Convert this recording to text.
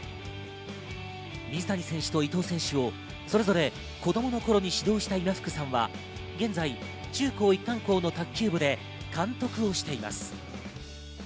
水谷選手と伊藤選手をそれぞれ子供の頃に指導した今福さんは現在、中高一貫校の卓球部で監督をしています。